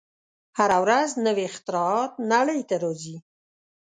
هره ورځ نوې اختراعات نړۍ ته راځي.